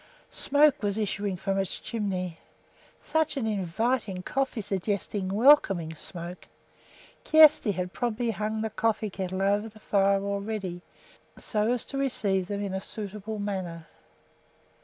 Smoke was issuing from its chimney, such an inviting, coffee suggesting, welcoming smoke! Kjersti had probably hung the coffee kettle over the fire already, so as to receive them in a suitable manner.